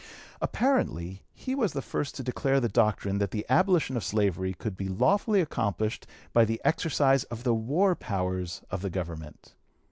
Apparently he was the first to declare the doctrine, that the abolition of slavery could be lawfully accomplished by the exercise of the war powers of the Government.